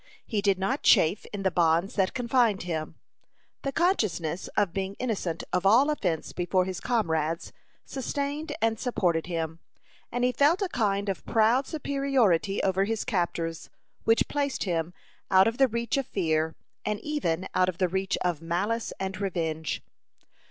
He did not chafe in the bonds that confined him. The consciousness of being innocent of all offence before his comrades, sustained and supported him; and he felt a kind of proud superiority over his captors, which placed him out of the reach of fear, and even out of the reach of malice and revenge.